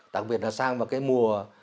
đặc biệt là sang vào cái mùa